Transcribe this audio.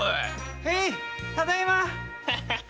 へいただいま！